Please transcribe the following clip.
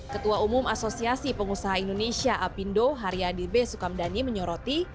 ketua umum asosiasi pengusaha indonesia apindo haryadi b sukamdhani menyoroti